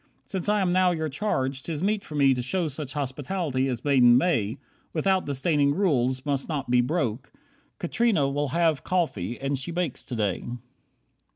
Since I am now your charge, 'tis meet for me To show such hospitality as maiden may, Without disdaining rules must not be broke. Katrina will have coffee, and she bakes today."